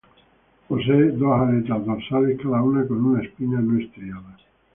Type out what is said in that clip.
Poseen dos aletas dorsales, cada una con una espina no estriada.